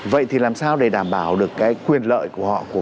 vậy thì làm sao để đảm bảo được cái quyền lợi của họ